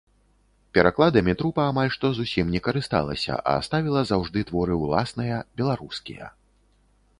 Перакладамі трупа амаль што зусім не карысталася, а ставіла заўжды творы ўласныя, беларускія.